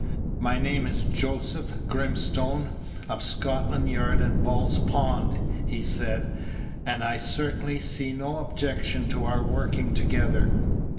"My name is Joseph Grimstone, of Scotland Yard and Ball's Pond," he said; "and I certainly see no objection to our working together.